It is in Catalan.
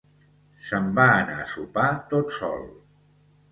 Se'n va anar a sopar tot sol